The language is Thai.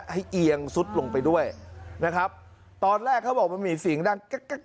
เอียงซุดลงไปด้วยนะครับตอนแรกเขาบอกมันมีเสียงดังแก๊ก